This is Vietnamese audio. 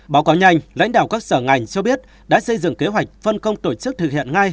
báo cáo nhanh lãnh đạo các sở ngành cho biết đã xây dựng kế hoạch phân công tổ chức thực hiện ngay